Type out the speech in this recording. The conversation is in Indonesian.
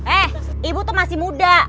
eh ibu tuh masih muda